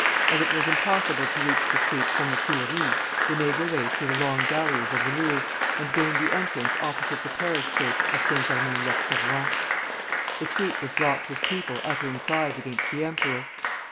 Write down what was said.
As it was impossible to reach the street from the Tuileries, they made their way through the long galleries of the Louvre, and gained the entrance opposite the parish church of Saint Germain l'Auxerrois. The street was blocked with people uttering cries against the emperor.